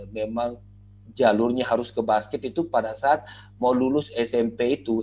memang jalurnya harus ke basket itu pada saat mau lulus smp itu